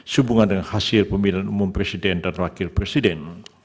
sehubungan dengan hasil pemilihan umum presiden dan wakil presiden